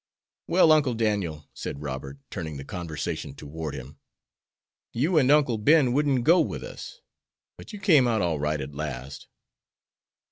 "Well, Uncle Daniel," said Robert, turning the conversation toward him, "you and Uncle Ben wouldn't go with us, but you came out all right at last."